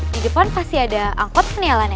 di depan pasti ada angkot nih lan ya